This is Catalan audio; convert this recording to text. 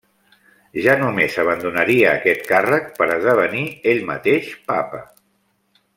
Ja només abandonaria aquest càrrec per esdevenir ell mateix Papa.